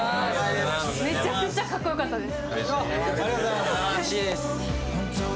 めちゃくちゃかっこよかったです。